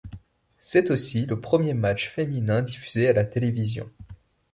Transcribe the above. C'est aussi le premier match féminin diffusé à la télévision.